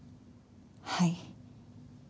はい。